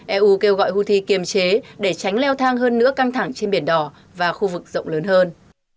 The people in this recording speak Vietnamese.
eu kêu gọi houthi kiềm chế để tránh leo thang hơn nữa căng thẳng trên biển đỏ và khu vực rộng lớn hơn